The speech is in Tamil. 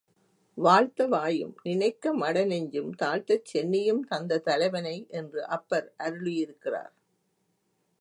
வாழ்த்த வாயும் நினைக்க மடநெஞ்சும் தாழ்த்தச் சென்னியும் தந்த தலைவனை என்று அப்பர் அருளியிருக்கிறார்.